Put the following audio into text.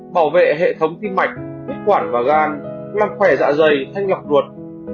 bảo vệ hệ thống tim mạch huyết quản và gan làm khỏe dạ dày thanh lọc ruột